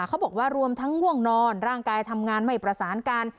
เขาบอกว่ารวมทั้งง่วงนอนร่างกายทำงานไม่ประสานกัน